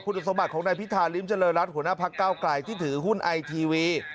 คุณสมบัติของนายพิธาริมเจริญรัฐหัวหน้าพักเก้าไกลที่ถือหุ้นไอทีวี